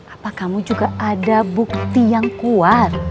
apa kamu juga ada bukti yang kuat